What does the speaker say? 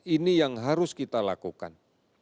ini yang harus kita lakukan